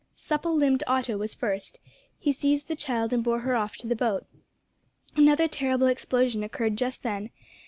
Supple limbed Otto was first; he seized the child and bore her off to the boat. Another terrible explosion occurred just then.